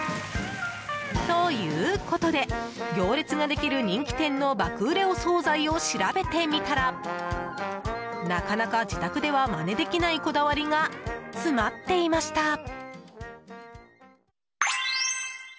ということで行列ができる人気店の爆売れお総菜を調べてみたらなかなか自宅ではまねできないこだわりが詰まっていました。